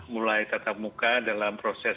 mulai tatap muka dalam proses